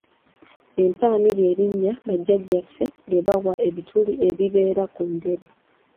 Empami ly’erinnya bajjajjaffe lye baawa ebituli ebibeera ku ndere.